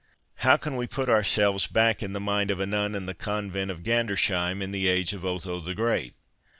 How can we put ourselves back in the mind of a nun in the Convent of Gandersheim in the age of Otho the Great